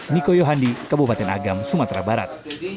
niko yohandi kabupaten agam sumatera barat